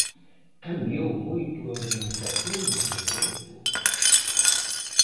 Cambiou moito a organización neste tempo?